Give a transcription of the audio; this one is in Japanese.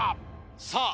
さあ